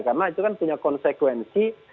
karena itu kan punya konsekuensi